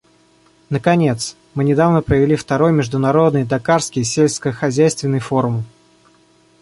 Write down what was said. Наконец, мы недавно провели второй Международный дакарский сельскохозяйственный форум.